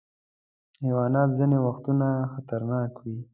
حیوانات ځینې وختونه خطرناک وي.